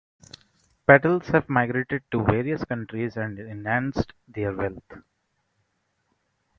Patels have migrated to various countries and enhanced their wealth.